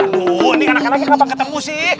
aduh ini anak aneknya kenapa ketemu sih